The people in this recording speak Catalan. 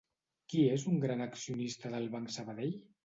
Qui és un gran accionista del Banc Sabadell?